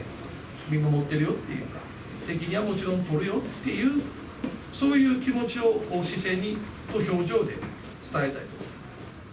見守ってるよと、責任はもちろん取るよっていう、そういう気持ちを姿勢と表情で伝えたいと。